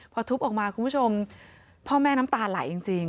พอทุบออกมาคุณผู้ชมพ่อแม่น้ำตาไหลจริง